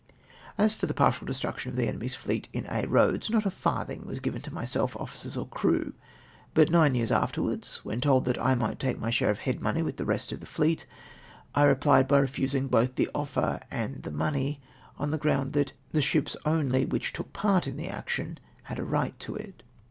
For the partial destruction of the enemy's fleet in Aix Eoads not a farthing was given to myself, officers, or crew ; but nine years afterwards, when told that I might take my share of head money with the rest of the fleet, I replied by refusing both the offer and the money, on the ground tliat the ships only which took part in the action had a right to it.